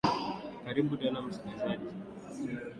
karibu tena msikilijazi siku hii ya ijumaa jina langu ni victor abuso